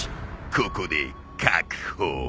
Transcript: ここで確保。